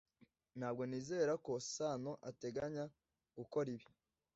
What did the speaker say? Ntabwo nizera ko Sano ateganya gukora ibi.